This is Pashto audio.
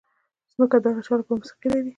ځمکه د هغه چا لپاره موسیقي لري.